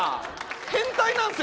変態なんですよ